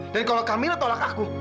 dan kalau kamilah tolak aku